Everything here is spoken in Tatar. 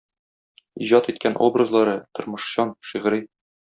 Иҗат иткән образлары тормышчан, шигъри.